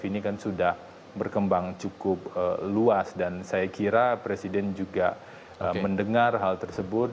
ini kan sudah berkembang cukup luas dan saya kira presiden juga mendengar hal tersebut